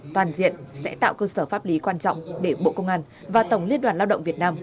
toàn diện sẽ tạo cơ sở pháp lý quan trọng để bộ công an và tổng liên đoàn lao động việt nam